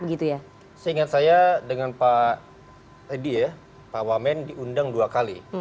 saya ingat saya dengan pak wamen diundang dua kali